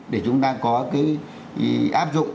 để chúng ta có cái áp dụng